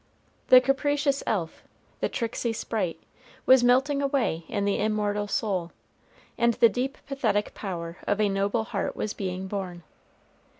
The capricious elf, the tricksy sprite, was melting away in the immortal soul, and the deep pathetic power of a noble heart was being born.